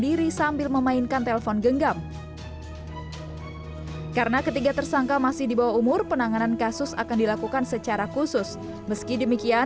aksi perampasan telepon genggam milik seorang bocah di jalan ch dua kebayoran lama jakarta selatan berhasil ditangkap polres metro jakarta selatan